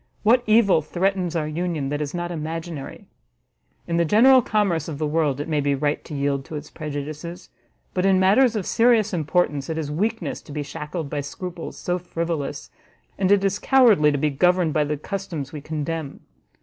What evil threatens our union, that is not imaginary? In the general commerce of the world it may be right to yield to its prejudices, but in matters of serious importance, it is weakness to be shackled by scruples so frivolous, and it is cowardly to be governed by the customs we condemn.